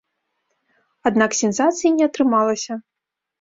Аднак сенсацыі не атрымалася.